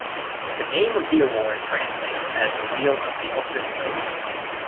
The name of the award translates as the "Wheel of the Ultimate Brave".